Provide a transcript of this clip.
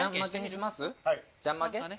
じゃん負け？